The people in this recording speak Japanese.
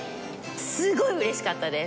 すごいうれしかったです。